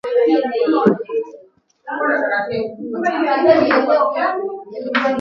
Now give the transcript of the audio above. Russia imekanusha kuwalenga raia katika uvamizi wake nchini Ukraine.